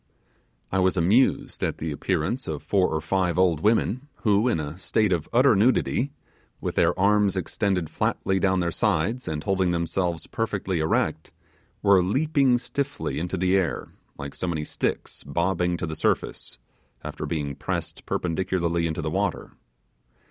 I was amused at the appearance of four or five old women who, in a state of utter nudity, with their arms extended flatly down their sides, and holding themselves perfectly erect, were leaping stiffly into the air, like so many sticks bobbing to the surface, after being pressed perpendicularly into the water.